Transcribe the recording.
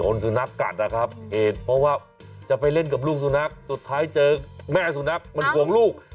สุนัขกัดนะครับเหตุเพราะว่าจะไปเล่นกับลูกสุนัขสุดท้ายเจอแม่สุนัขมันห่วงลูก